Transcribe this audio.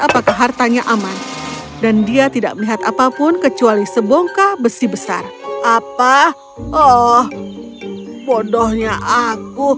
apakah hartanya aman dan dia tidak melihat apapun kecuali sebongkah besi besar apa oh bodohnya aku